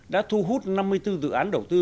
đã thu hút năm mươi bốn dự án đầu tư